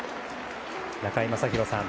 中居正広さん。